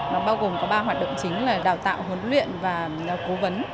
nó bao gồm có ba hoạt động chính là đào tạo huấn luyện và cố vấn